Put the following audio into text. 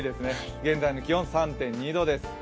現在の気温３．２度です。